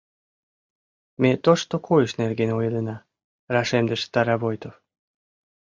— Ме тошто койыш нерген ойлена, — рашемдыш Старовойтов.